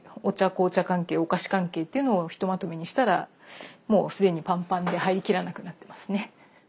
・紅茶関係お菓子関係っていうのをひとまとめにしたらもう既にパンパンで入りきらなくなってますね。